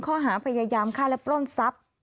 ข้อหาพยายามฆ่าและปล้นทรัพย์